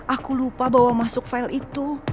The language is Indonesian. aku lupa bahwa masuk file itu